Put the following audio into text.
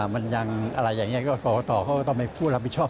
มันยังอะไรอย่างนี้ก็กรกตเขาก็ต้องเป็นผู้รับผิดชอบ